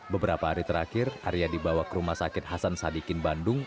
beberapa hari terakhir arya dibawa ke rumah sakit hasan sadikin bandung